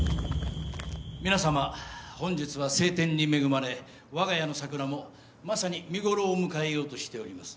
皆さま本日は晴天に恵まれわが家の桜もまさに見頃を迎えようとしております。